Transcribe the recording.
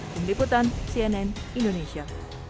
dari liputan cnn indonesia